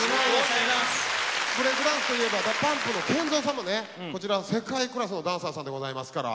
ブレイクダンスといえばＤＡＰＵＭＰのＫＥＮＺＯさんもねこちら世界クラスのダンサーさんでございますから。